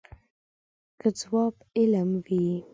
که ځواب علم وي.